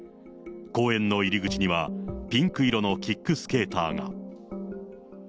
公園の入り口にはピンク色のキックスケーターが。